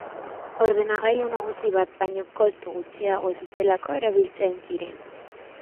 Ordenagailu nagusi bat baino kostu gutxiago zutelako erabiltzen ziren.